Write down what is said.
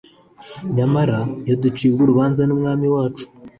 Nyamara, iyo ducirwa urubanza n'Umwami wacu